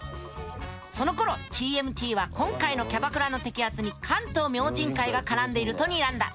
そのころＴＭＴは今回のキャバクラの摘発に関東明神会が絡んでいるとにらんだ。